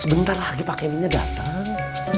sebentar lagi pak keninya dateng